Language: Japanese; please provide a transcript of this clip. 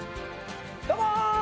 どうも！